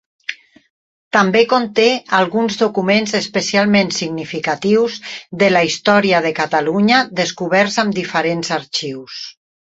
També conté alguns documents especialment significatius de la història de Catalunya descoberts en diferents arxius.